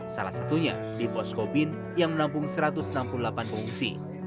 salah satunya di posko bin yang menampung satu ratus enam puluh delapan pengungsi